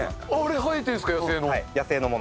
生えてるんですか、野生の。